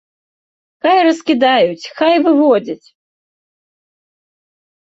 Хай раскідаюць, хай выводзяць!